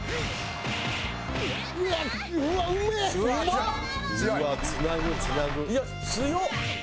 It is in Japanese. いや強っ！